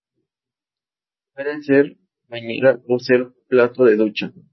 Pueden ser para bañera o para plato de ducha.